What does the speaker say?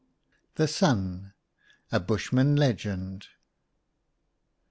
THE SUN. A BUSHMAN LEGEND.